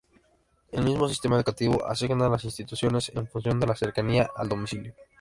El mismo sistema educativo asigna las instituciones en función de la cercanía al domicilio.